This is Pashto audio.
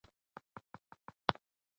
لوستې میندې د ماشوم هوساینه مهمه ګڼي.